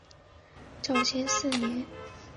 绍熙四年。